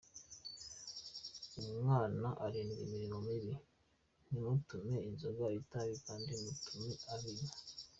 Umwana arindwa imirimo mibi, ntumutume inzoga, itabi kandi ntutume abinywa .